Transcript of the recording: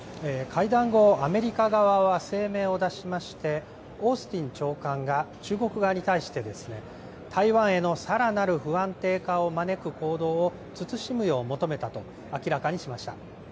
会談後アメリカ側は声明を出しましてオースティン長官が中国側に対してですね台湾へのさらなる不安定化を招く行動を慎むよう求めたと明らかにしました。